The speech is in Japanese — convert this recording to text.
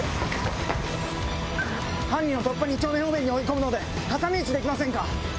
犯人は突破２丁目方面に追い込むので、挟み撃ちにできませんか？